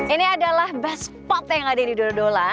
ini adalah best spot yang ada di dodola